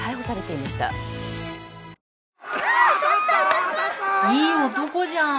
いい男じゃん。